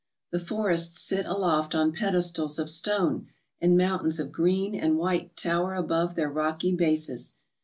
The forests sit aloft on pedestals of stone, and mountains of greerf and white tower above their rocky bases.